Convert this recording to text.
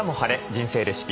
人生レシピ」。